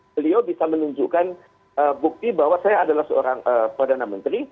beliau bisa menunjukkan bukti bahwa saya adalah seorang perdana menteri